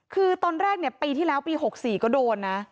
คือตอนแรกเนี่ยปีที่แล้วปี๖๔ก็โดนนะ